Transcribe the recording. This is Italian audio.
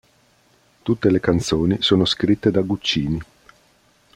Tutte le canzoni sono scritte da Guccini.